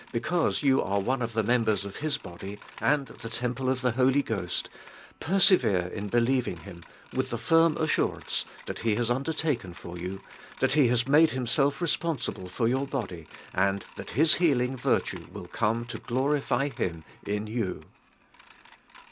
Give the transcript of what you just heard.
heeanse you are one of the members of His Body, and the temple of the Holy i ; liesf, persevere in believing in Him with the fiim assurance that He has undertak en for yon, that He has made IlinisetLre s ponsible fo r your lowly, and that Hi 9 healing virtue will come to glorify Him in von.